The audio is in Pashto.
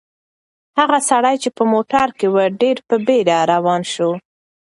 هغه سړی چې په موټر کې و ډېر په بیړه روان شو.